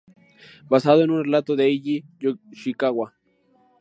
Basado en un relato de Eiji Yoshikawa.